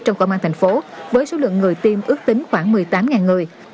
trong công an tp hcm với số lượng người tiêm ước tính khoảng một mươi tám người